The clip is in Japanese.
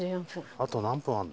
あと何分あるんだ？